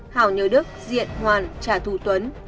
hảo nhớ đức diện hoàn trả thù tuấn